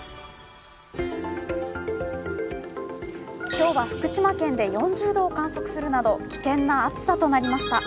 今日は福島県で４０度を観測するなど危険な暑さとなりました。